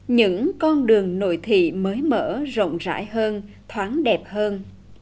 những con đường nội thị mới mở rộng rãi hơn thoáng đẹp hơn